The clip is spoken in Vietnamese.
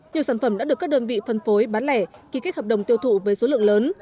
nhiều sản phẩm đã được các đơn vị phân phối bán lẻ ký kết hợp đồng tiêu thụ với số lượng lớn